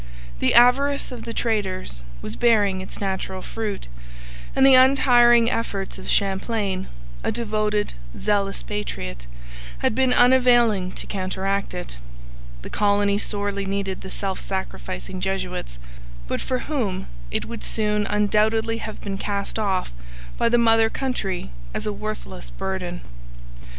The avarice of the traders was bearing its natural fruit, and the untiring efforts of Champlain, a devoted, zealous patriot, had been unavailing to counteract it. The colony sorely needed the self sacrificing Jesuits, but for whom it would soon undoubtedly have been cast off by the mother country as a worthless burden.